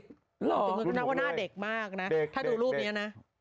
ก็นางว่าหน้าเด็กมากน่ะถ้าดูรูปนี้น่ะ